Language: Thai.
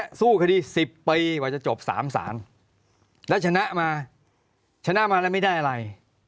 สู้คดี๑๐ปีกว่าจะจบ๓ศาลแล้วชนะมาชนะมาแล้วไม่ได้อะไร